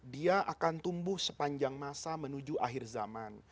dia akan tumbuh sepanjang masa menuju akhir zaman